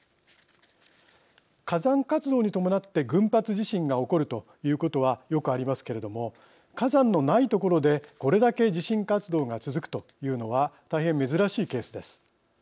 火山活動に伴って群発地震が起こるということはよくありますけれども火山のない所でこれだけ地震活動が続くというのは大変珍しいケースです。